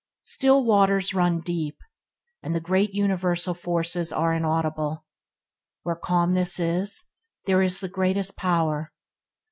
"Still waters run deep," and the great universal forces are inaudible. Where calmness is, there is the greatest power.